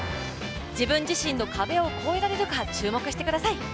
自分自身の壁を越えられるか注目してください。